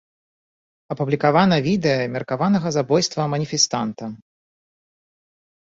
Апублікавана відэа меркаванага забойства маніфестанта.